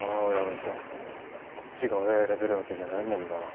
ガチャこっちが親選べるわけじゃないもんな